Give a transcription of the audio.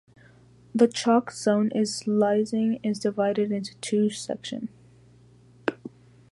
The chalk zone in Liesing is divided into two sections.